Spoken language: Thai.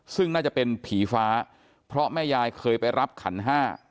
ซึ่งน่าจะเป็นผีฟ้าเพราะแม่ยายเคยไปรับขันห้า